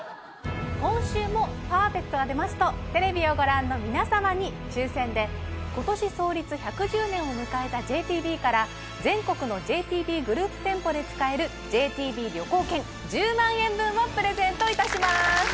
今週もパーフェクトが出ますとテレビをご覧の皆様に抽選で今年創立１１０年を迎えたＪＴＢから全国のＪＴＢグループ店舗で使えるＪＴＢ旅行券１０万円分をプレゼントいたします